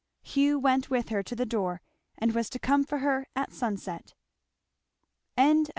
Hugh went with her to the door and was to come for her at sunset. Chapter XX.